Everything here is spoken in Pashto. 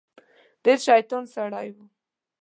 ډیر شیطان سړی و.